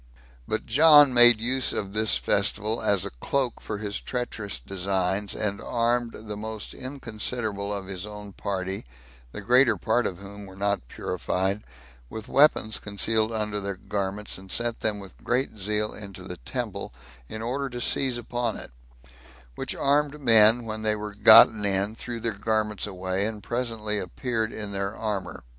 9 But John made use of this festival as a cloak for his treacherous designs, and armed the most inconsiderable of his own party, the greater part of whom were not purified, with weapons concealed under their garments, and sent them with great zeal into the temple, in order to seize upon it; which armed men, when they were gotten in, threw their garments away, and presently appeared in their armor.